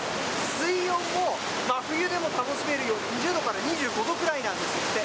水温も真冬でも楽しめるように、２０度から２５度くらいなんですって。